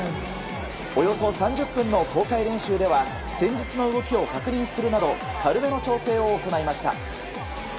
およそ３０分の公開練習では戦術の動きを確認するなど軽めの調整を行いました。